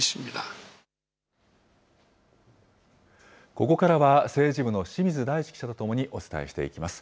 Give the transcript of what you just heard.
ここからは、政治部の清水大志記者と共にお伝えしていきます。